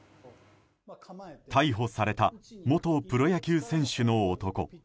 逮捕された元プロ野球選手の男。